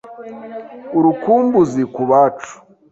Urukumbuzi ku bacu